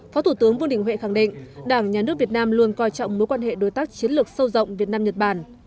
phó thủ tướng vương đình huệ khẳng định đảng nhà nước việt nam luôn coi trọng mối quan hệ đối tác chiến lược sâu rộng việt nam nhật bản